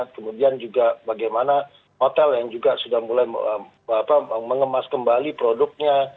kemudian juga bagaimana hotel yang juga sudah mulai mengemas kembali produknya